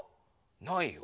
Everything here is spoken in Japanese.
ないよ。